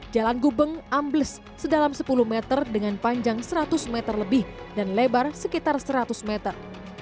jalan gubeng ambles sedalam sepuluh meter dengan panjang seratus meter lebih dan lebar sekitar seratus meter